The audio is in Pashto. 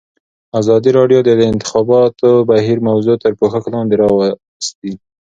ازادي راډیو د د انتخاباتو بهیر موضوع تر پوښښ لاندې راوستې.